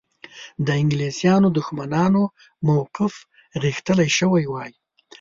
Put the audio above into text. د انګلیسیانو دښمنانو موقف غښتلی شوی وای.